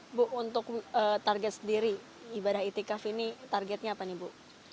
ibu untuk target sendiri ibadah itikaf ini targetnya apa nih bu